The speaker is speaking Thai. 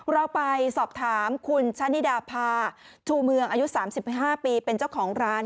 เราไปสอบถามคุณชะนิดาพาชูเมืองอายุ๓๕ปีเป็นเจ้าของร้าน